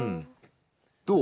どう？